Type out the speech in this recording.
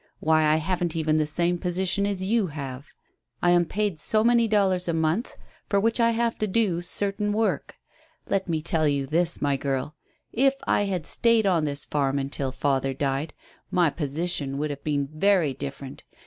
Why, I haven't even the same position as you have. I am paid so many dollars a month, for which I have to do certain work. Let me tell you this, my girl: if I had stayed on this farm until father died my position would have been very different.